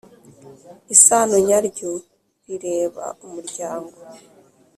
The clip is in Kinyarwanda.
Isano nyaryo rireba umuryango.